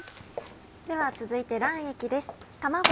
では続いて卵液です。